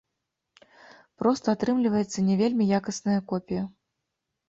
Проста атрымліваецца не вельмі якасная копія.